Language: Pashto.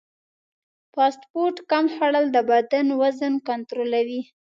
فاسټ فوډ کم خوړل د بدن وزن کنټرولوي.